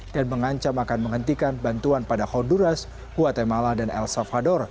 dan mengancam akan menghentikan bantuan pada honduras guatemala dan el salvador